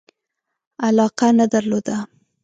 علاقه نه درلوده.